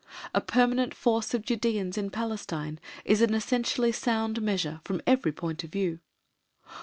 A permanent force of Judæans in Palestine is an essentially sound measure from every point of view.